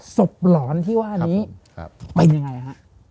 ศพหลอนที่ว่านี้เป็นยังไงครับ